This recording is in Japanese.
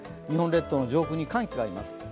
日本列島の上空に寒気があります。